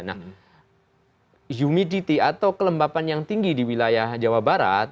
nah humidity atau kelembapan yang tinggi di wilayah jawa barat